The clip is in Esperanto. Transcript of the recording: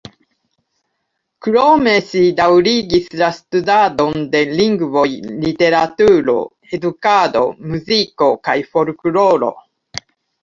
Krome ŝi daŭrigis la studadon de lingvoj, literaturo, edukado, muziko kaj folkloro.